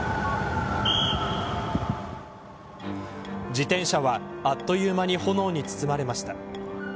自転車はあっという間に炎に包まれました。